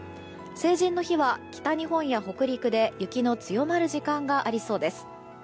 成人の日は北日本や北陸で雪の強まる時間がありそうです。